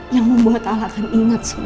yang membuat allah akan ingat semua